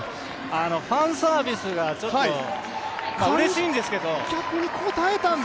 ファンサービスが、うれしいんですけど。